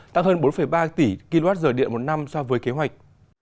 tăng hơn bốn ba tỷ kwh một năm so với kế hoạch